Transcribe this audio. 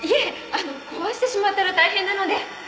あの壊してしまったら大変なので。